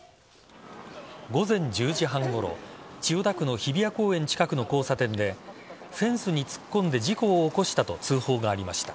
午前１０時半ごろ千代田区の日比谷公園近くの交差点でフェンスに突っ込んで事故を起こしたと通報がありました。